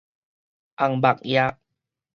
紅目蝶